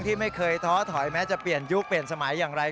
ที่ไม่เคยท้อถอยแม้จะเปลี่ยนยุคเปลี่ยนสมัยอย่างไร